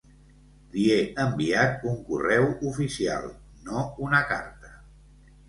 Li he enviat un correu oficial, no una carta.